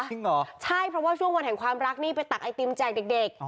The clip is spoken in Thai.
จริงเหรอใช่เพราะว่าช่วงวันแห่งความรักนี่ไปตักไอติมแจกเด็ก